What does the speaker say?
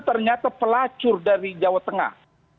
ternyata pelacur dari jawa tengah